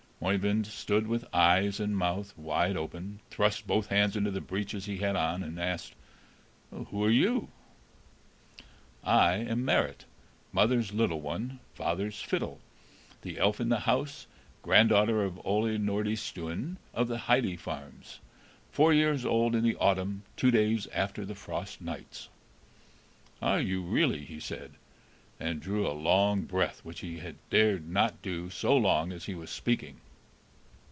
Oeyvind stood with eyes and mouth wide open, thrust both hands into the breeches he had on, and asked, "Who are you?" "I am Marit, mother's little one, father's fiddle, the elf in the house, granddaughter of Ole Nordistuen of the Heide farms, four years old in the autumn, two days after the frost nights, I!" "Are you really?" he said, and drew a long breath, which he had not dared to do so long as she was speaking.